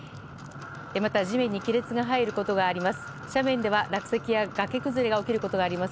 また地面に亀裂が入ることがあります。